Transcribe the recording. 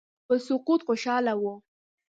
په سقوط خوشاله وه.